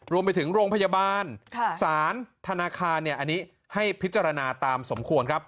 รวมไปถึงโรงพยาบาลสารธนาคารอันนี้ให้พิจารณาตามสมควรครับ